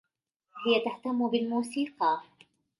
هي تهتم بالموسيقى.